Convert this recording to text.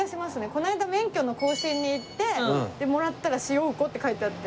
この間免許の更新に行ってでもらったら「しようこ」って書いてあって。